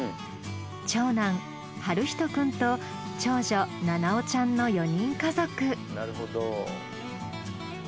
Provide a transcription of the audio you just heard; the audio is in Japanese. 長男晴仁くんと長女七生ちゃんの４人家族。